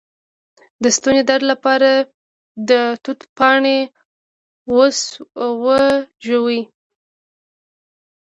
د ستوني درد لپاره د توت پاڼې وژويئ